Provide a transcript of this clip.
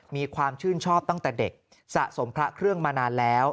มีความชื่นชอบตั้งแต่เด็กสะสมพระเครื่องมานานแล้ว